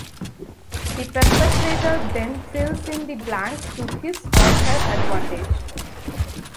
The perpetrator then fills in the blanks to his or her advantage.